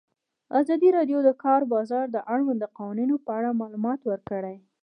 ازادي راډیو د د کار بازار د اړونده قوانینو په اړه معلومات ورکړي.